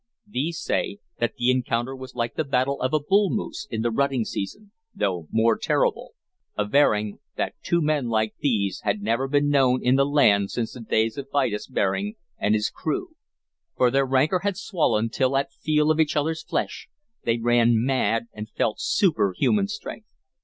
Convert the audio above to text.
These say that the encounter was like the battle of bull moose in the rutting season, though more terrible, averring that two men like these had never been known in the land since the days of Vitus Bering and his crew; for their rancor had swollen till at feel of each other's flesh they ran mad and felt superhuman strength.